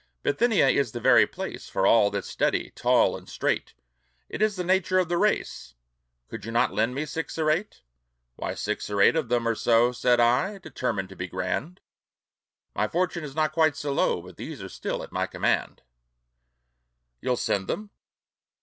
"Bithynia is the very place For all that's steady, tall, and straight; It is the nature of the race. Could you not lend me six or eight?" "Why, six or eight of them or so," Said I, determined to be grand; "My fortune is not quite so low But these are still at my command." "You'll send them?"